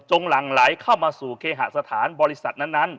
หลั่งไหลเข้ามาสู่เคหสถานบริษัทนั้น